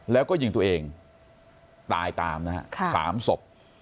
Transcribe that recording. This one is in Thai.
แล้วก็ยิงตัวเองตายตามนะฮะ๓ศพ